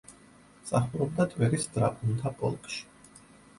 მსახურობდა ტვერის დრაგუნთა პოლკში.